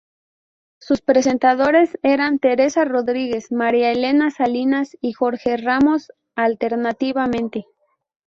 Sus presentadores eran Teresa Rodríguez, María Elena Salinas y Jorge Ramos alternativamente.